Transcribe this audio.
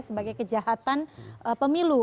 sebagai kejahatan pemilu